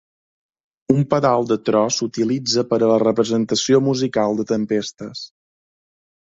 Un pedal de tro s'utilitza per a la representació musical de tempestes.